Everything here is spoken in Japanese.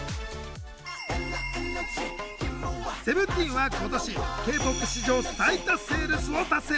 ＳＥＶＥＮＴＥＥＮは今年Ｋ−ＰＯＰ史上最多セールスを達成。